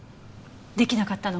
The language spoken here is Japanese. できなかったの？